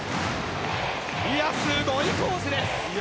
すごいコースです。